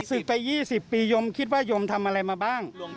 ศึกไป๒๐ปียมคิดว่ายมทำอะไรมาบ้าง